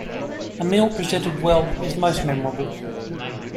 A meal presented well is most memorable.